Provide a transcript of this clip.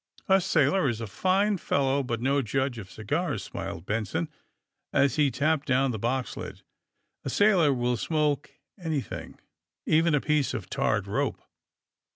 *A sailor is a fine fellow, but no judge of ci gars," smiled Benson, as he tapped down the box lid. ''A. sailor will smoke anything, even a piece of tarred rope."